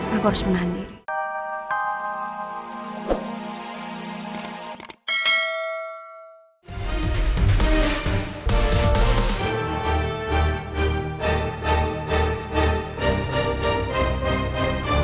aku harus menanggung